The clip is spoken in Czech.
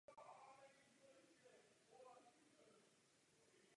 Český tisk ho označuje za kandidáta německého spolku Deutsches Kasino.